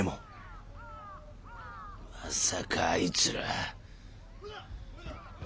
まさかあいつら。